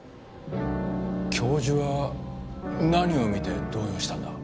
教授は何を見て動揺したんだ？